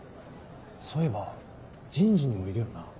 そういえば人事にもいるよな？